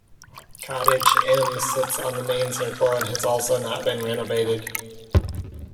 Cottage "M" sits on the main circle and has also not been renovated.